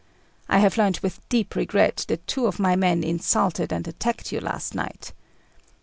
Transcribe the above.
I have learnt with deep regret that two of my men insulted and attacked you last night.